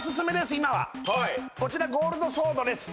今はこちらゴールドソードです